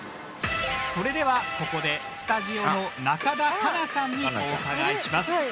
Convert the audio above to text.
それではここでスタジオの中田花奈さんにお伺いします。